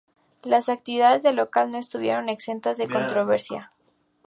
Las actividades del local no estuvieron exentas de controversia.